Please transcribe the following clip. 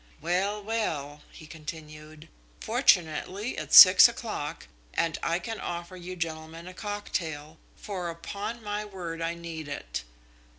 "Well, well!" he continued. "Fortunately, it's six o'clock, and I can offer you gentlemen a cocktail, for upon my word I need it!